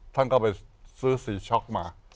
ท่านก็ไปซื้อสีช็อกมา